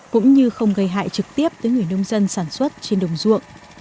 cũng như không gây hại trực tiếp tới người nông dân sản xuất trên đồng ruộng